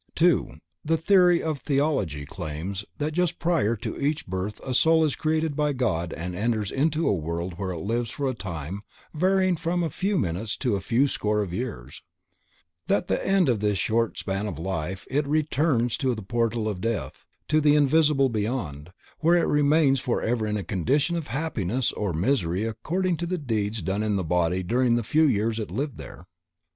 2) THE THEORY OF THEOLOGY _claims that just prior to each birth a soul is created by God and enters into the world where it lives for a time varying from a few minutes to a few score of years; that at the end of this short span of life it returns through the portal of death to the invisible beyond, where it remains forever in a condition of happiness or misery according to the deeds done in the body during the few years it lived here_.